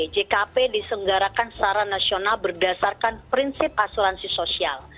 jkp disenggarakan secara nasional berdasarkan prinsip asuransi sosial